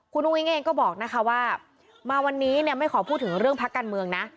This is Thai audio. คุณอุ้งเองก็บอกนะคะว่ามาวันนี้เนี่ยไม่ขอพูดถึงเรื่องพักการเมืองนะ